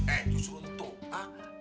eh justru untuk